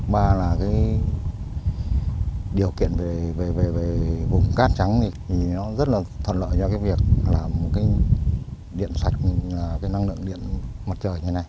ba là điều kiện về vùng cát trắng thì nó rất là thuận lợi cho việc làm một cái điện sạch năng lượng điện mặt trời như thế này